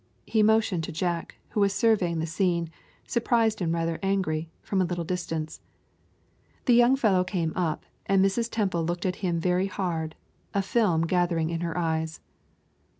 He motioned to Jack, who was surveying the scene, surprised and rather angry, from a little distance. The young fellow came up, and Mrs. Temple looked at him very hard, a film gathering in her eyes.